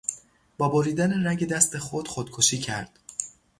با بریدن رگ دست خود خودکشی کرد.